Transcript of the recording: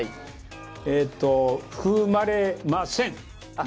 えーと、含まれません！